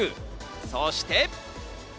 そして。